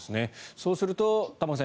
そうすると、玉川さん